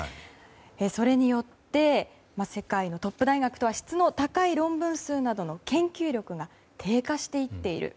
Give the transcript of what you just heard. それによって世界のトップ大学とは質の高い論文数などの研究力が低下していっている。